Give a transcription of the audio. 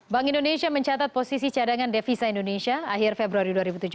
bank indonesia mencatat posisi cadangan devisa indonesia akhir februari dua ribu tujuh belas